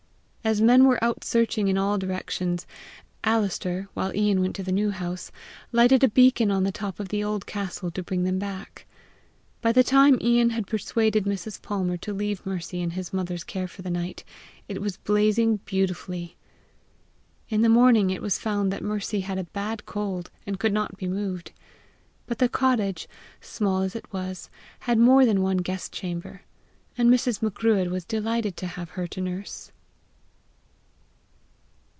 As men were out searching in all directions, Alister, while Ian went to the New House, lighted a beacon on the top of the old castle to bring them back. By the time Ian had persuaded Mrs. Palmer to leave Mercy in his mother's care for the night, it was blazing beautifully. In the morning it was found that Mercy had a bad cold, and could not be moved. But the cottage, small as it was, had more than one guest chamber, and Mrs. Macruadh was delighted to have her to nurse.